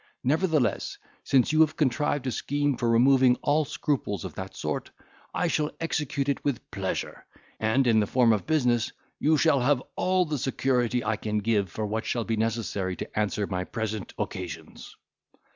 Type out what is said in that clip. Nevertheless, since you have contrived a scheme for removing all scruples of that sort, I shall execute it with pleasure; and, in the form of business, you shall have all the security I can give for what shall be necessary to answer my present occasions."